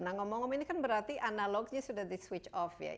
nah ngomong ngomong ini kan berarti analognya sudah di switch off ya